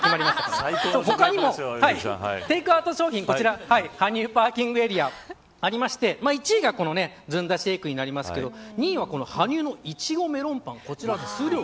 他にもテークアウト商品こちら羽生パーキングエリアありまして１位がこのずんだシェイクになりますが２位は羽生のいちごメロンパン。